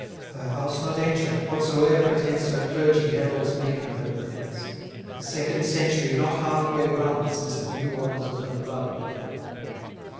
Her house not ancient, whatsoe'er pretence Her clergy heralds make in her defence. A second century not half way run, Since the new honours of her blood begun.